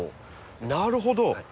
なるほど！